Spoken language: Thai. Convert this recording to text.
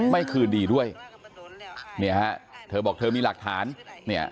ไม่คืนดีด้วยเนี่ยฮะเธอบอกเธอมีหลักฐานเนี่ย